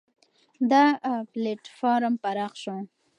دا پلېټفارم پراخ شو.